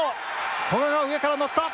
古賀が上から乗った。